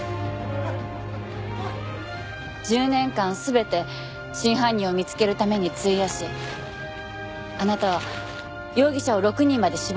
１０年間全て真犯人を見つけるために費やしあなたは容疑者を６人まで絞り込んだ。